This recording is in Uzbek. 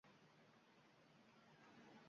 Sizlarning ham ota-bobolaringiz dehqon o‘tgan